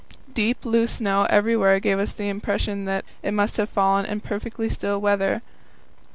Deep, loose snow every where gave us the impression that it must have fallen in perfectly still weather.